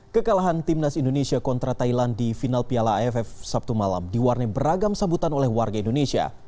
kekalahan timnas indonesia kontra thailand di final piala aff sabtu malam diwarnai beragam sambutan oleh warga indonesia